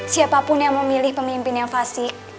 siapapun yang memilih pemimpin yang fasi